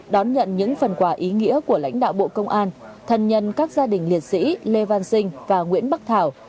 đón nhận những phần quà ý nghĩa của lãnh đạo bộ công an thân nhân các gia đình liệt sĩ lê văn sinh và nguyễn bắc thảo